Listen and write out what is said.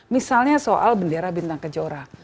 misalnya soal bendera bintang kejora